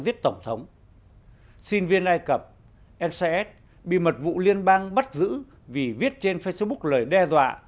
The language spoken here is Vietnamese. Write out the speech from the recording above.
viết tổng thống sinh viên ai cập ncs bị mật vụ liên bang bắt giữ vì viết trên facebook lời đe dọa